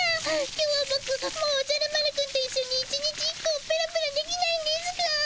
今日はボクもうおじゃる丸くんといっしょに１日１個をペロペロできないんですかぁ？